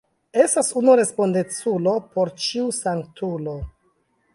Estas unu respondeculo por ĉiu sanktulo.